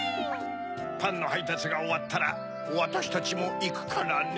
パンのはいたつがおわったらわたしたちもいくからね。